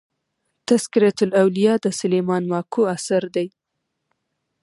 "تذکرةالاولیا" د سلیمان ماکو اثر دﺉ.